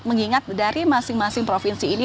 mengingat dari masing masing provinsi ini